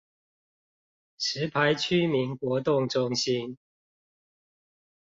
石牌區民活動中心